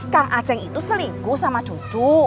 kang aceh itu selingkuh sama cucu